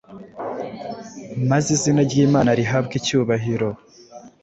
maze izina ry’Imana rihabwe icyubahiro.